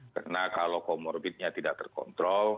karena kalau komorbitnya tidak terkontrol